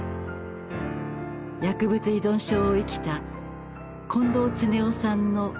薬物依存症を生きた近藤恒夫さんの言葉です。